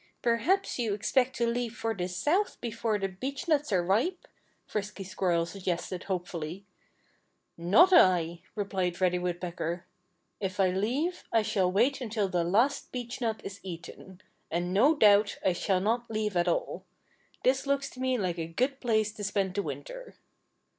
"Perhaps you expect to leave for the South before the beechnuts are ripe," Frisky Squirrel suggested hopefully. "Not I!" replied Reddy Woodpecker. "If I leave, I shall wait until the last beechnut is eaten. And no doubt I shall not leave at all. This looks to me like a good place to spend the winter."